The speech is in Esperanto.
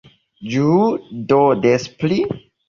Ĝuu do des pli!